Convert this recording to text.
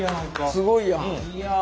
すごいやん！